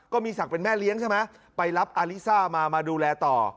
ศักดิ์เป็นแม่เลี้ยงใช่ไหมไปรับอาลิซ่ามามาดูแลต่อ